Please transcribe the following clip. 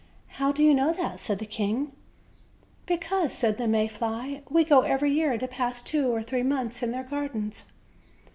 "How do you know that?" said the king. "Because," said the May fly, "we go every year to pass two or three months in their gardens."